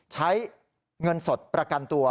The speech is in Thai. ใช้เงินสดประกันตัว